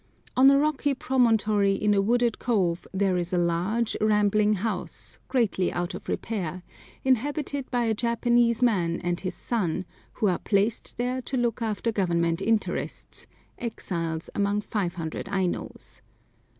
On a rocky promontory in a wooded cove there is a large, rambling house, greatly out of repair, inhabited by a Japanese man and his son, who are placed there to look after Government interests, exiles among 500 Ainos.